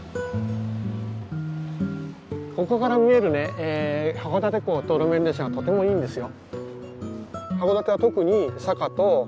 ここから見える函館港と路面電車がとてもいいんですよ。